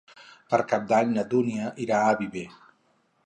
Per Cap d'Any na Dúnia irà a Viver.